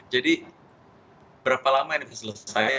jadi berapa lama ini bisa selesai